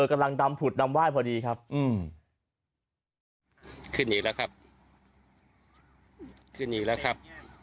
กำลังดำผุดดำไหว้พอดีครับขึ้นอีกแล้วครับขึ้นอีกแล้วครับ